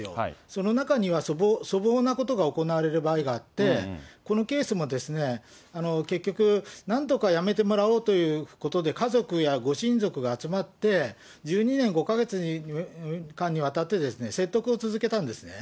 その中には、粗暴なことが行われる場合があって、このケースも、結局、なんとかやめてもらおうということで、家族やご親族が集まって、１２年５か月間にわたって説得を続けたんですね。